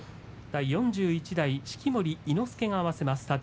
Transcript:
第４１代式守伊之助が合わせます。